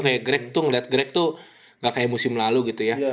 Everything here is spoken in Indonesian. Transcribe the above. nge greg tuh ngeliat greg tuh gak kayak musim lalu gitu ya